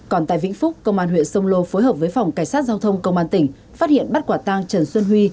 còn tại vĩnh phúc công an huyện sông lô phối hợp với phòng cảnh sát giao thông công an tỉnh phát hiện bắt quả tang trần xuân huy